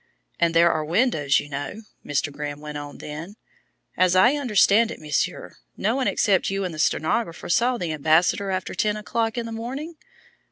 "And there are windows, you know," Mr. Grimm went on, then: "As I understand it, Monsieur, no one except you and the stenographer saw the ambassador after ten o'clock in the morning?"